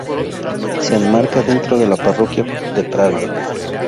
Se enmarca dentro de la parroquia de Pravia.